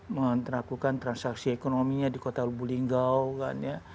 mengerakukan transaksi ekonominya di kota lubuk linggo kan ya